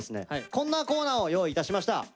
こんなコーナーを用意いたしました。